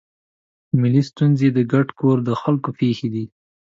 ملي ستونزې د ګډ کور د خلکو پېښې دي.